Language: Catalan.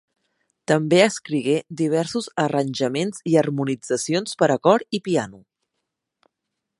També escrigué diversos arranjaments i harmonitzacions per a cor i piano.